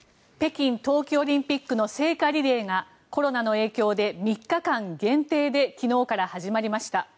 北京冬季オリンピックの聖火リレーがコロナの影響で３日間限定で昨日から始まりました。